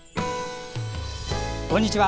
こんにちは。